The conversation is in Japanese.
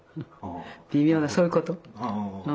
微妙なそういうこと。